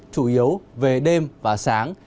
chủ yếu về đêm và sáng